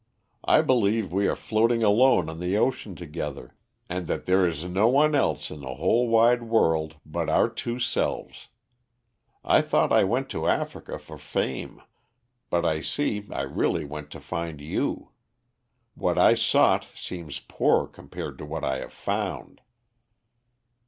I believe we are floating alone on the ocean together, and that there is no one else in the wide world but our two selves. I thought I went to Africa for fame, but I see I really went to find you. What I sought seems poor compared to what I have found."